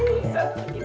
gitu baik banget